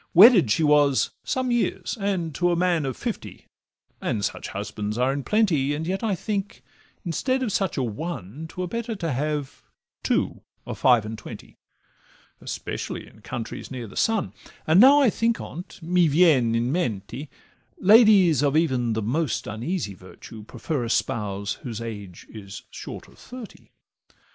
Wedded she was some years, and to a man Of fifty, and such husbands are in plenty; And yet, I think, instead of such a ONE 'Twere better to have TWO of five and twenty, Especially in countries near the sun: And now I think on 't, 'mi vien in mente,' Ladies even of the most uneasy virtue Prefer a spouse whose age is short of thirty.